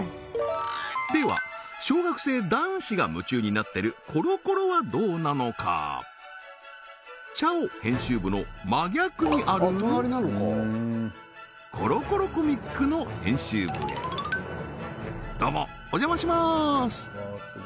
では小学生男子が夢中になってるコロコロはどうなのかにあるコロコロコミックの編集部へどうもお邪魔しまーす